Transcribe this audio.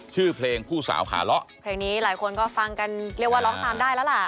ชื่อเพลงผู้สาวขาเลาะเพลงนี้หลายคนก็ฟังกันเรียกว่าร้องตามได้แล้วล่ะ